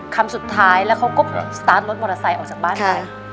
คำสุดท้ายแล้วเขาก็สตาร์ทรถมอเตอร์ไซค์ออกจากบ้านไป